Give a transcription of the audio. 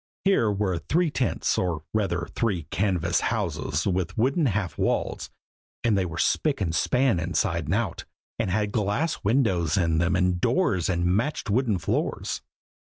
Here were three tents, or rather three canvas houses, with wooden half walls; and they were spick and span inside and out, and had glass windows in them and doors and matched wooden floors.